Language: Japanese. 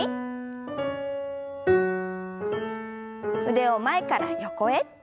腕を前から横へ。